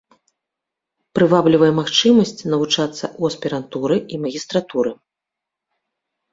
Прываблівае магчымасць навучацца ў аспірантуры і магістратуры.